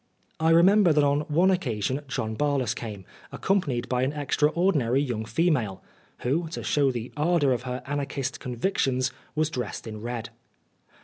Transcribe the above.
I remember that on one occasion John Barlas came, accompanied by an extra ordinary young female, who, to show the ardour of her Anarchist convictions, was dressed in red.